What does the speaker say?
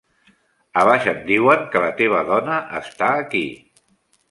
A baix em diuen que la teva dona està aquí.